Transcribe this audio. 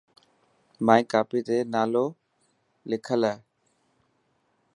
مائي ڪاپي تي نالو لکل هي.